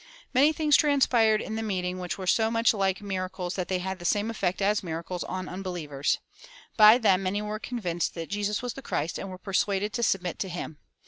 Many things transpired in the meeting which were so much like miracles that they had the same effect as miracles on unbelievers. By them many were convinced that Jesus was the Christ and were persuaded to submit to him.